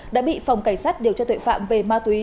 đã bị phòng cảnh sát điều tra tội phạm về ma túi